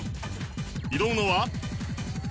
挑むのは。